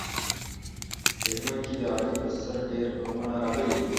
په ژوند کې د علي په سر ډېر غمونه راغلي دي.